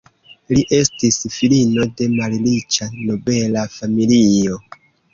Li estis filino de malriĉa nobela familio.